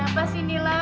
ada apa sih nila